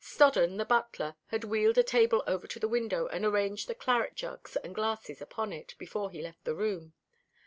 Stodden, the butler, had wheeled a table over to the window and arranged the claret jugs and glasses upon it, before he left the room.